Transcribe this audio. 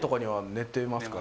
寝てますね。